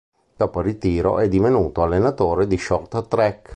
Dopo il ritiro è divenuto allenatore si short track.